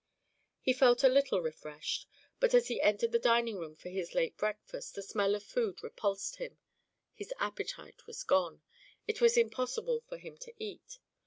He felt a little refreshed, but as he entered the dining room for his late breakfast the smell of food repulsed him; his appetite was gone; it was impossible for him to eat.